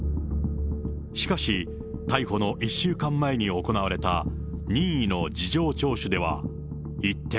しかし、逮捕の１週間前に行われた任意の事情聴取では、一転。